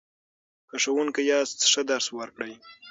که ښوونکی یاست ښه درس ورکړئ.